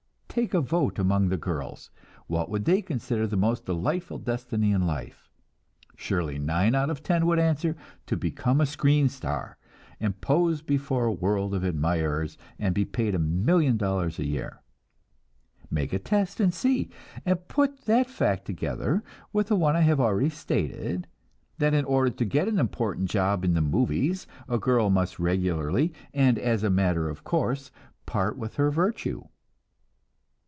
Take a vote among the girls, what would they consider the most delightful destiny in life; surely nine out of ten would answer, to become a screen star, and pose before a world of admirers, and be paid a million dollars a year. Make a test and see; and put that fact together with the one I have already stated, that in order to get an important job in the "movies," a girl must regularly and as a matter of course part with her virtue.